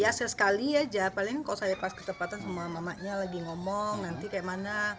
ya sesekali aja paling kalau pas saya ketepatan sama mamanya lagi ngomong nanti kayak mana